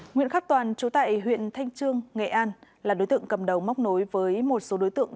nguyễn khắc toàn chú tại huyện thanh trương nghệ an là đối tượng cầm đầu móc nối với một số đối tượng